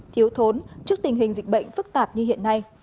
thiếu thốn trước tình hình dịch bệnh phức tạp như hiện nay